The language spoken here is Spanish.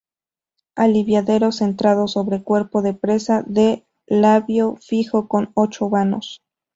Aliviadero centrado sobre cuerpo de presa de labio fijo con ocho vanos.